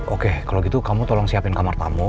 oke kalau gitu kamu tolong siapin kamar tamu